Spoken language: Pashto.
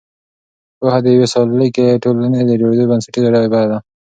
پوهه د یوې سالکې ټولنې د جوړېدو بنسټیزه ډبره ده.